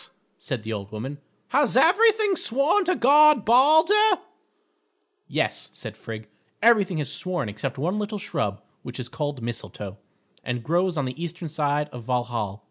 said the old woman, "has everything sworn to guard Balder?" "Yes," said Frigg, "everything has sworn except one little shrub which is called Mistletoe, and grows on the eastern side of Valhal.